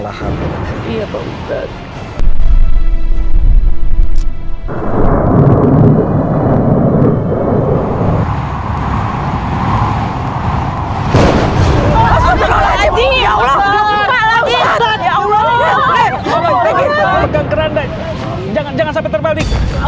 lahan iya pak ustadz jangan jangan sampai terbalik